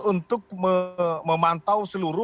untuk memantau seluruh